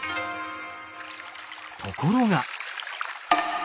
ところが！